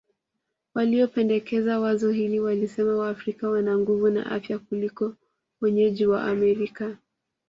Waliopendekeza wazo hili walisema Waafrika wana nguvu na afya kuliko wenyeji wa Amerika